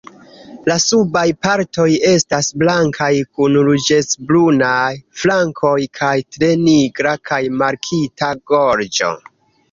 La subaj partoj estas blankaj kun ruĝecbrunaj flankoj kaj tre nigra kaj markita gorĝo.